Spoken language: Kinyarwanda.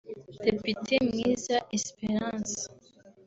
Depite Mwiza Esperence